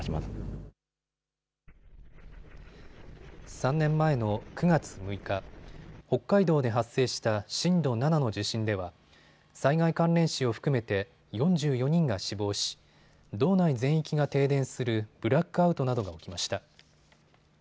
３年前の９月６日、北海道で発生した震度７の地震では災害関連死を含めて４４人が死亡し、道内全域が停電するブラックアウトなどが起きました。